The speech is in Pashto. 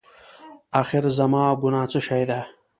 اخېر زما ګناه څه شی ده؟